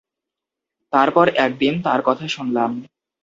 তারপর একদিন তার কথা শুনলাম।